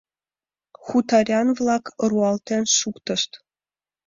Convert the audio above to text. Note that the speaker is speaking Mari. Хуторян-влак руалтен шуктышт.